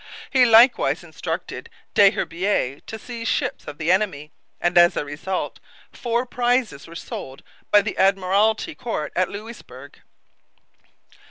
He likewise instructed Des Herbiers to seize ships of the enemy; and as a result four prizes were sold by the Admiralty Court at Louisbourg.